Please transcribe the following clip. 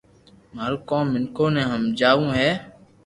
مارو ڪوم مينکو ني ھمجاو ھي